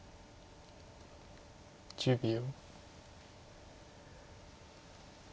１０秒。